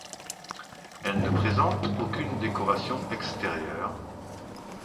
Elle ne présente aucune décoration extérieure.